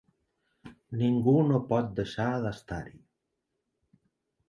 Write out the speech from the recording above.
Ningú no pot deixar d’estar-hi.